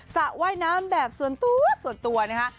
สระว่ายน้ำแบบส่วนตัวส่วนตัวนะคะ